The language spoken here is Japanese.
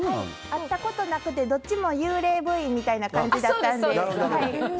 会ったことなくてどっちも幽霊部員みたいな感じだったんです。